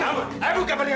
kalian harus lupasi